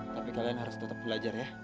tapi kalian harus tetap belajar ya